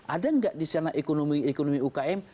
ada nggak di sana ekonomi ekonomi ukm